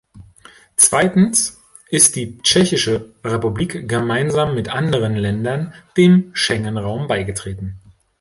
Zweitens ist die Tschechische Republik, gemeinsam mit anderen Ländern, dem Schengen-Raum beigetreten.